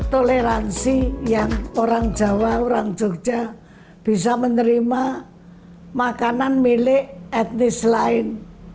toleransi yang orang jawa orang jogja bisa menerima makanan milik etnis lain